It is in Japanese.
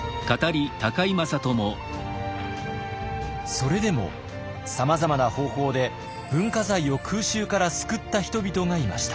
それでもさまざまな方法で文化財を空襲から救った人々がいました。